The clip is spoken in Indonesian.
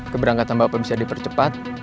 keberangkatan bapak bisa dipercepat